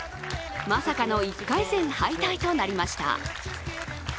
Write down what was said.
まさかの１回戦敗退となりました。